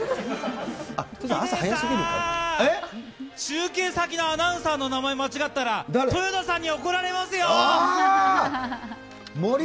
ヒデさーん、中継先のアナウンサーの名前、間違ったら豊田さんに怒られます森。